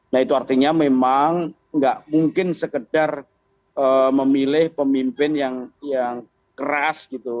nah itu artinya memang nggak mungkin sekedar memilih pemimpin yang keras gitu